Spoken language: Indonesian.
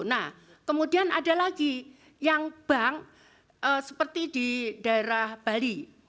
nah kemudian ada lagi yang bank seperti di daerah bali